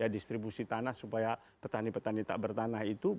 distribusi tanah supaya petani petani tak bertanah itu